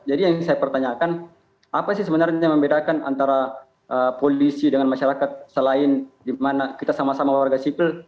jadi yang saya pertanyakan apa sih sebenarnya yang membedakan antara polisi dengan masyarakat selain kita sama sama warga sipil